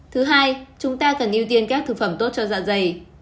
thứ hai chúng ta cần ưu tiên các thực phẩm tốt cho dạ dày